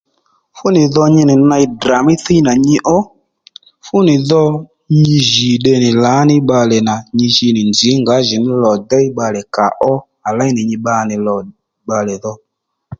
Fúnì dho nyi nì ney Ddrà mí thíy nà nyi ó fúnì dho nyi jì tde nì lǎní bbalè nà nyi ji nì nzǐ ngǎjìní lò déy bbalè kàó à léy nì nyi bba nì lò bbalè dho